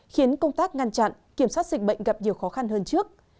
khiến công tác ngăn chặn kiểm soát dịch bệnh gặp nhiều khó khăn hơn trước